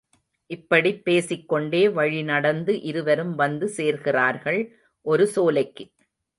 இப்படிப் பேசிக் கொண்டே வழி நடந்து இருவரும் வந்து சேர்கிறார்கள் ஒரு சோலைக்கு.